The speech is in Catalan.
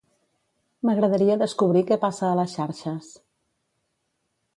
M'agradaria descobrir què passa a les xarxes.